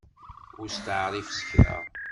Ur steεrif s kra!